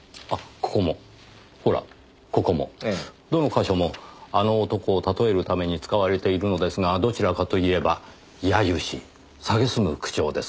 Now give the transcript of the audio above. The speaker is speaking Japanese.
どの箇所も「あの男」を例えるために使われているのですがどちらかといえば揶揄し蔑む口調です。